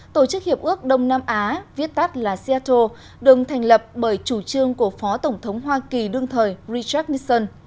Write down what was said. tổ chức hiệp ước đông nam á viết tắt là cetale đường thành lập bởi chủ trương của phó tổng thống hoa kỳ đương thời richard nisson